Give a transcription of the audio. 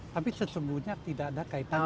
tapi sesungguhnya tidak ada kaitannya